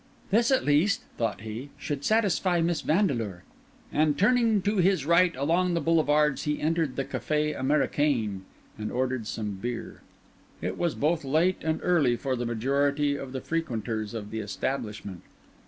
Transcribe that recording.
"This, at least," thought he, "should satisfy Miss Vandeleur." And turning to his right along the Boulevards, he entered the Café Américain and ordered some beer. It was both late and early for the majority of the frequenters of the establishment.